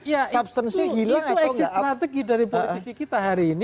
ya itu eksist strategi dari politik kita hari ini